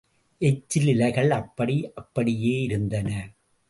எச்சில் இலைகள் அப்படி அப்படியே இருந்தன.